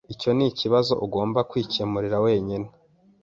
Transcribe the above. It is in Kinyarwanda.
Icyo nikibazo ugomba kwikemurira wenyine.